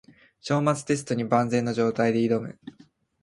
章末テストに万全の状態で挑む